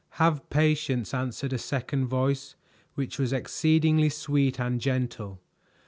"Have patience," answered a second voice which was exceedingly sweet and gentle.